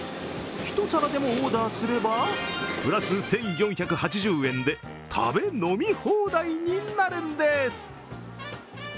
１皿でもオーダーすれば、プラス１４８０円で食べ飲み放題になるんです。